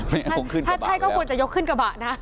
ถ้าใช่ก็ควรจะยกขึ้นกระบะนะ